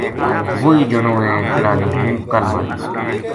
وہی جنو ہے کِہڑا نے ہوں کل ماریو تھو